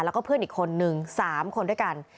แล้วก็เพื่อนอีกคนนึง๓คนด้วยกัน